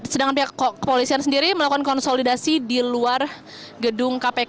sedangkan pihak kepolisian sendiri melakukan konsolidasi di luar gedung kpk